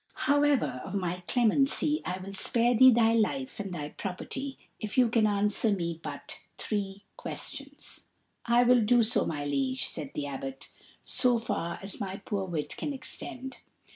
However, of my clemency I will spare thee thy life and thy property if you can answer me but three questions." "I will do so, my liege," said the Abbot, "so far as my poor wit can extend."